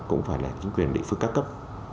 cũng phải là chính quyền địa phương ca cấp